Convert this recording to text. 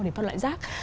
để phân loại rác